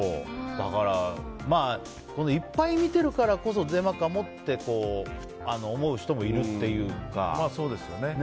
いっぱい見てるからこそデマかもって思う人もいるっていうか。